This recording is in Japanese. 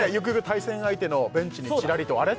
対戦相手のベンチにチラリと「あれ？」